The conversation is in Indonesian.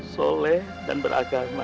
soleh dan beragama